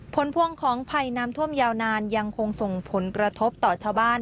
ผลพวงของภัยน้ำท่วมยาวนานยังคงส่งผลกระทบต่อชาวบ้าน